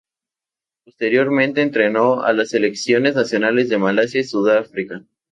Posteriormente entrenó a las selecciones nacionales de Malasia y Sudáfrica.